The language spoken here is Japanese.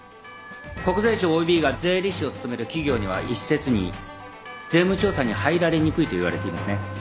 国税庁ＯＢが税理士を務める企業には一説に税務調査に入られにくいといわれていますね。